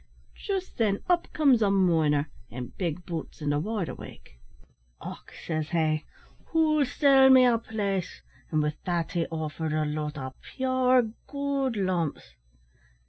Just then up comes a miner, in big boots and a wide awake. "`Och,' says he, `who'll sell me a place?' and with that he offered a lot o' pure goold lumps.